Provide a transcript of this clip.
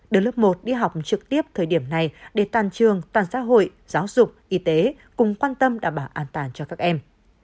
đưa lớp một đi học trực tiếp thời điểm này để toàn trường toàn xã hội giáo dục y tế cùng quan tâm đảm bảo an toàn cho các em